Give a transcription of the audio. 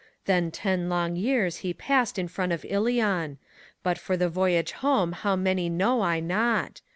Then ten long years he passed in front of Ilion ; But for the voyage home how many know I not.